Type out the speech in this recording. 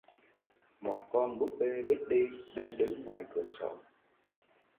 Một con búp bê biết đi đang đứng ngoài cửa sổ